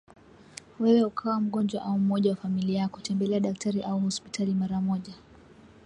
wewe ukawa mgonjwa au mmoja wa familia yako, tembelea daktari au hospitali mara moja.